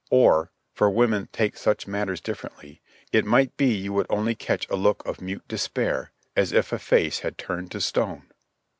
Or (for women take such matters differently), it might be you would only catch a look of mute despair, as if a face had turned to stone.